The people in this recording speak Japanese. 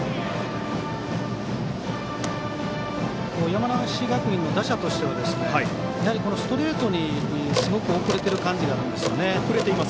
山梨学院の打者としてはストレートにすごく遅れている感じがあります。